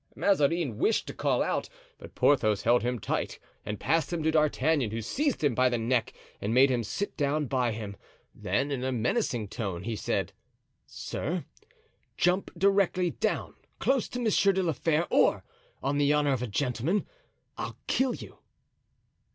Mazarin wished to call out, but Porthos held him tight and passed him to D'Artagnan, who seized him by the neck and made him sit down by him; then in a menacing tone, he said: "Sir! jump directly down, close to Monsieur de la Fere, or, on the honor of a gentleman, I'll kill you!"